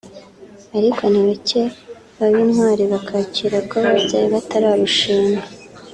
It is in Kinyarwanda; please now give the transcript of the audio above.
ariko ni bake baba intwari bakakira ko babyaye batararushinga